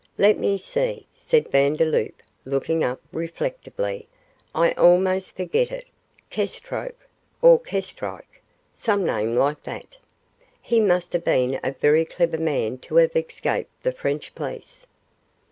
'Let me see,' said Vandeloup, looking up reflectively; 'I almost forget it Kestroke or Kestrike, some name like that. He must have been a very clever man to have escaped the French police.